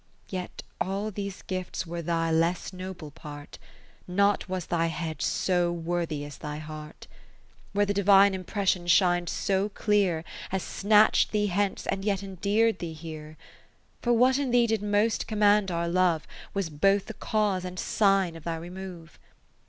Yet all these gifts were thy less noble part. Not was thy head so worthy as thy heart ; 50 In Memory of F. P. Where the Divine Impression shin'd so clear, As snatch 'd thee hence, and yet endear'd thee here : For what in thee did most command our love, Was both the cause and sign of thy remove.